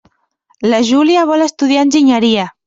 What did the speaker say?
La Júlia vol estudiar enginyeria.